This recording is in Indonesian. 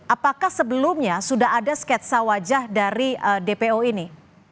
apakah sebelumnya sudah ada sketsa wajah dari dpo ini